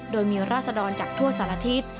โดยมีราศดรจากทั่วสารทิศ